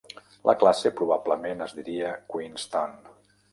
La classe probablement es diria "Queenston".